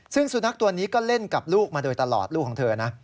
ซึ่งสุนัขตัวนี้ก็เล่นกับลูกมาโดยตลอดลูกของเธอนะ